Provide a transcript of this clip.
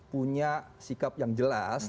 punya sikap yang jelas